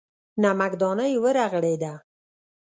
نمکدانۍ ورغړېده.